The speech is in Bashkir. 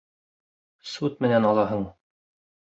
Суд менән алаһың!